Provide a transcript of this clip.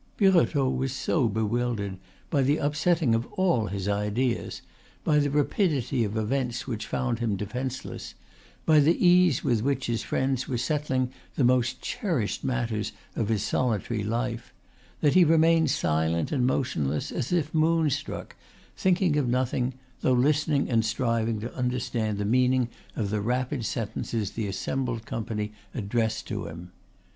Birotteau was so bewildered by the upsetting of all his ideas, by the rapidity of events which found him defenceless, by the ease with which his friends were settling the most cherished matters of his solitary life, that he remained silent and motionless as if moonstruck, thinking of nothing, though listening and striving to understand the meaning of the rapid sentences the assembled company addressed to him.